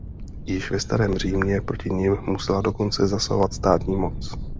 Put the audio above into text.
Již ve starém Římě proti nim musela dokonce zasahovat státní moc.